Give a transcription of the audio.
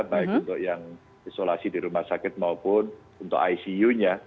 baik untuk yang isolasi di rumah sakit maupun untuk icu nya